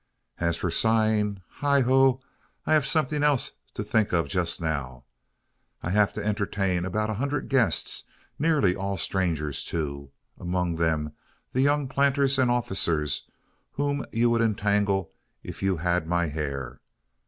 As for sighing, heigho! I have something else to think of just now. I have to entertain about a hundred guests nearly all strangers, too; among them the young planters and officers whom you would entangle if you had my hair.